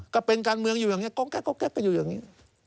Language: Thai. ก็เป็นการเมืองอยู่อย่างนี้ก๊อกแก๊อกแก๊กกันอยู่อย่างนี้